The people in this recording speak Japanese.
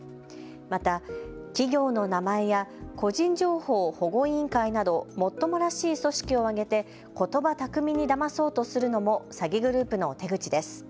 また企業の名前や個人情報保護委員会などもっともらしい組織を挙げてことば巧みにだまそうとするのも詐欺グループの手口です。